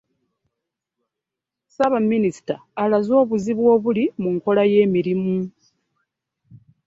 Ssaabaminisita alaze obuzibu obuli mu nkola y'emirimu.